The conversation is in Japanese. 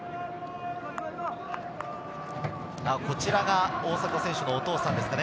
こちらが大迫選手のお父さんですかね。